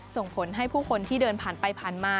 ส่งผลให้ผู้คนที่เดินผ่านไปผ่านมา